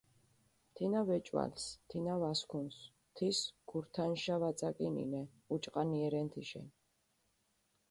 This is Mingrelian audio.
თინა ვეჭვალს, თინა ვასქუნს, თის გურთანშა ვაწაკინინე, უჭყანიე რენ თიშენ.